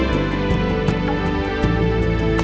putih anak ayam